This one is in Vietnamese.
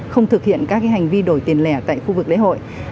không thực hiện các hành vi đổi tiền lẻ tại khu vực lễ hội